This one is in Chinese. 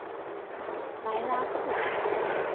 莱拉克。